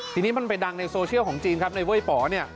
ทีนี้มันไปดังในโซเชียลของจีนครับในเว้ยป๋อเนี่ย